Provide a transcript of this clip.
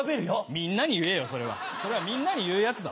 みんなに言えよそれはそれはみんなに言うやつだ。